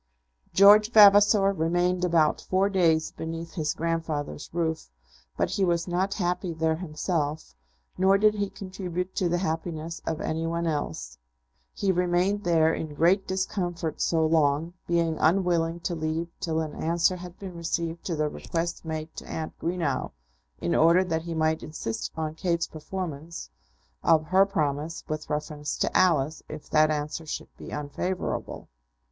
George Vavasor remained about four days beneath his grandfather's roof; but he was not happy there himself, nor did he contribute to the happiness of any one else. He remained there in great discomfort so long, being unwilling to leave till an answer had been received to the request made to Aunt Greenow, in order that he might insist on Kate's performance of her promise with reference to Alice, if that answer should be unfavourable.